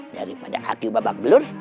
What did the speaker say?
daripada aku babak belur